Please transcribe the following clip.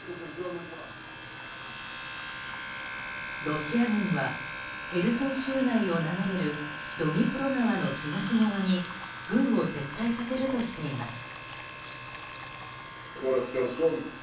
ロシア軍はヘルソン州内を流れるドニプロ川の東側に軍を撤退させるとしています。